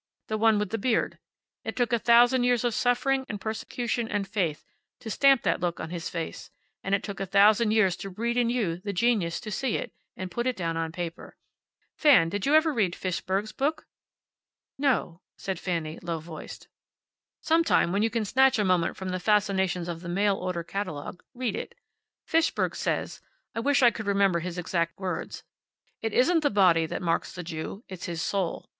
The one with the beard. It took a thousand years of suffering and persecution and faith to stamp that look on his face, and it took a thousand years to breed in you the genius to see it, and put it down on paper. Fan, did you ever read Fishberg's book?" "No," said Fanny, low voiced. "Sometime, when you can snatch a moment from the fascinations of the mail order catalogue, read it. Fishberg says I wish I could remember his exact words `It isn't the body that marks the Jew. It's his Soul.